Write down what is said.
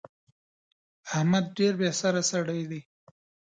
احمد ډېر بې سره سړی دی.